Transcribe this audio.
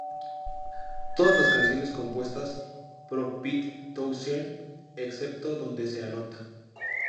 Todas las canciones compuestas pro Pete Townshend excepto donde se anota.